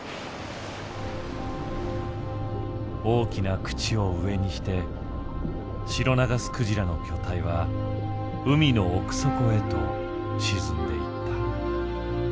大きな口を上にしてシロナガスクジラの巨体は海の奥底へと沈んでいった。